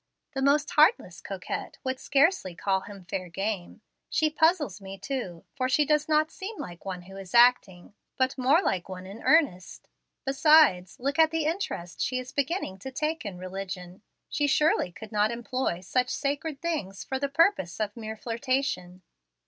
The most heartless coquette would scarcely call him fair game. She puzzles me too, for she does not seem like one who is acting, but more like one in earnest. Besides, look at the interest she is beginning to take in religion. She surely could not employ such sacred things for the purposes of mere flirtation."